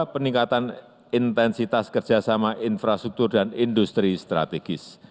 peningkatan intensitas kerjasama infrastruktur dan industri strategis